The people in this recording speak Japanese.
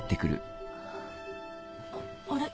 あっあれ？